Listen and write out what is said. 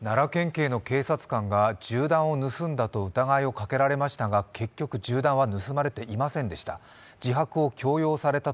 警の警官が銃弾を盗んだと疑いをかけられましたが結局、銃弾は盗まれていませんでした。